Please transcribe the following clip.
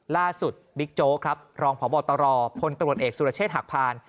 บิ๊กโจ๊กครับรองพบตรพลตรวจเอกสุรเชษฐหักพาน